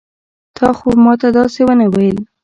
تا خو ما ته داسې ونه ويل.